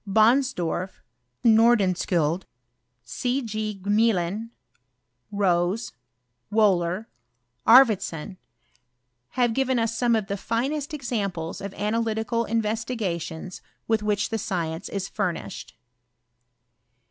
Bonsdorf, Nordenskiiild, C. G. Gmelin, Rose, Wbhler, Arfvedsou, have ^ivea us some of the finest examples of analytical MveEtigations with which the science is furnished.